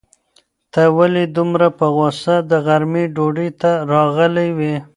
ته ولې دومره په غوسه د غرمې ډوډۍ ته راغلی وې؟